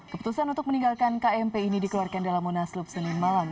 keputusan untuk meninggalkan kmp ini dikeluarkan dalam munaslup senin malam